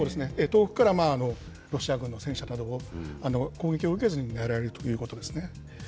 遠くからロシア軍の戦車などを攻撃を受けずにねらえるということですね。